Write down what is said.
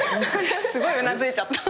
すごいうなずいちゃった。